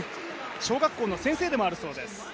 小学校の先生でもあるそうです。